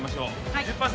１０％